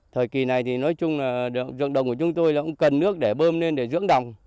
thời kỳ này thì nói chung là ruộng đồng của chúng tôi cũng cần nước để bơm lên để dưỡng đồng